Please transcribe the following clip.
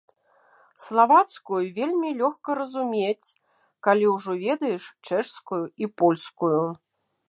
Славацкую вельмі лёгка разумець, калі ўжо ведаеш чэшскую і польскую.